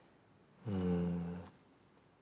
うん。